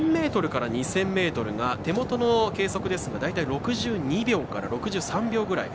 １０００ｍから２０００ｍが手元の計測ですと大体６２秒から６３秒ぐらい。